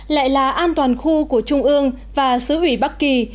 lại là an toàn khu của trung ương và xứ ủy bắc kỳ